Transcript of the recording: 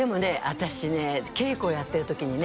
私ね稽古をやってる時にね